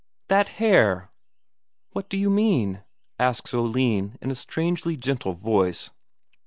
"That hare." "What do you mean?" asks Oline in a strangely gentle voice.